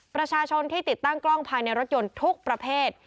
ประชาชนที่ติดตั้งกล้องภายในรถยนต์ทุกประเภท